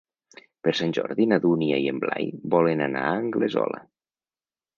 Per Sant Jordi na Dúnia i en Blai volen anar a Anglesola.